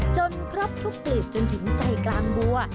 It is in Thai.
จนครบทุกกลีบจนถึงใจกลางบัว